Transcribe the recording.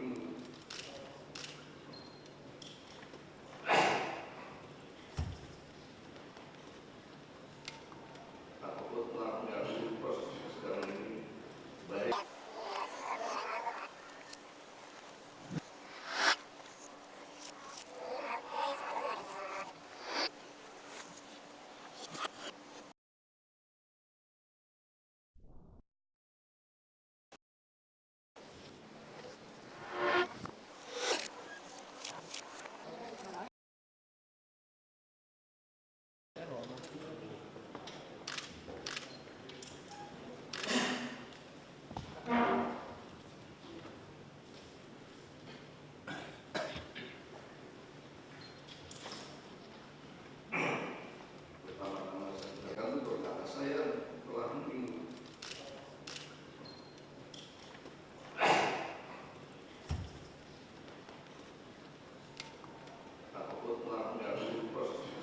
yang berdia kata kata saya saya sampaikan